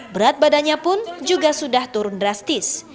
berat badannya pun juga sudah turun drastis